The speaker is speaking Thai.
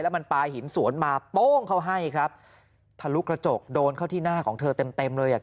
มันปลาหินสวนมาโป้งเขาให้ครับทะลุกระจกโดนเข้าที่หน้าของเธอเต็มเต็มเลยอ่ะ